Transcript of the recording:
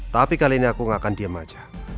tapi kali ini aku gak akan diem aja